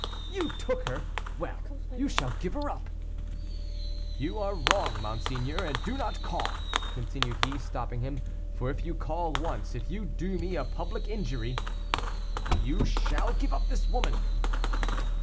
"You took her! Well! you shall give her up." "You are wrong, monseigneur. And do not call," continue he, stopping him, "for if you call once if you do me a public injury " "You shall give up this woman."